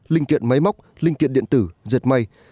linh kiện máy móc linh kiện điện tử dệt may